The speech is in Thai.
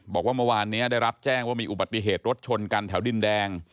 บอกว่าเมื่อวานนี้ได้รับแจ้งว่ามีอุบัติเหตุรถชนกันแถวดินแดง